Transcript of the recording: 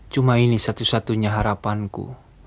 cuma ini satu satunya harapanku